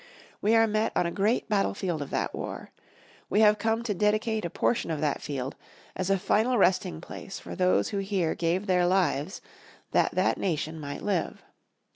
We are met on a great battlefield of that war. We have come to dedicate a portion of that field, as a final resting place for those who here gave their lives that that nation might live.